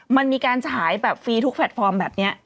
มันมีการจะหายฟรีทุกแฟลตฟอร์มแบบนี้